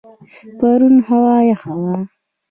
پرون هوا یخه وه.